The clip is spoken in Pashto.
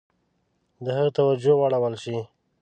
د هغه توجه واړول شي.